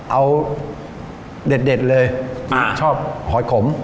เอาเด็ดเลยชอบหอยขม